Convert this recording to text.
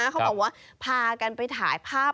เขาบอกว่าพากันไปถ่ายภาพ